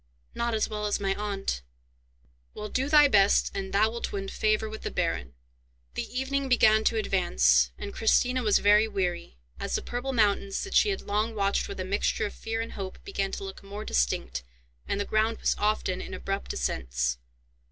"Not as well as my aunt." "Well, do thy best, and thou wilt win favour with the baron." The evening began to advance, and Christina was very weary, as the purple mountains that she had long watched with a mixture of fear and hope began to look more distinct, and the ground was often in abrupt ascents.